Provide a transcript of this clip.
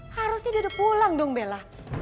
harusnya udah udah pulang dong bella